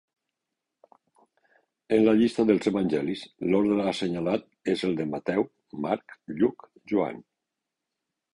En la llista dels evangelis, l'ordre assenyalat és el de Mateu, Marc, Lluc, Joan.